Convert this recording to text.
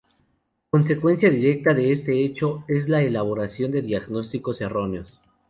Consecuencia directa de este hecho es la elaboración de diagnósticos erróneos.